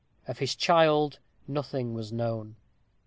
Of his child nothing was known.